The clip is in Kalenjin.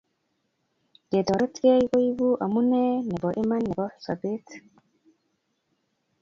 Ketoretkei koipu amune nebo iman nebo sopet